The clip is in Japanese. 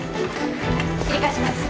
切り返します。